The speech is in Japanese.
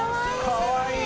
かわいい！